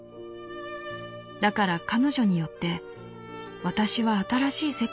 だから彼女によって私は新しい世界を得た。